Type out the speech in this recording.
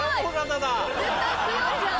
絶対強いじゃん。